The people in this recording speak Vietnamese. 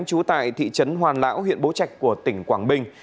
trú tại thị trấn hoàn lão huyện bố trạch của tỉnh quảng bình